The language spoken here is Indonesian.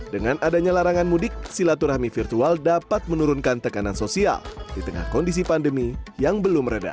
dengan adanya larangan mudik silaturahmi virtual dapat menurunkan tekanan sosial di tengah kondisi pandemi yang belum reda